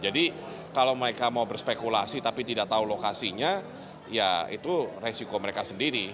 jadi kalau mereka mau berspekulasi tapi tidak tahu lokasinya ya itu resiko mereka sendiri